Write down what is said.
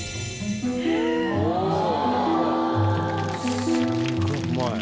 すごい。